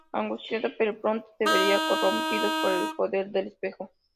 Angustiado, pero pronto deberá corrompidos por el poder del espejo.